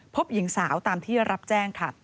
พบหญิงสาวตามที่รับแจ้งค่ะ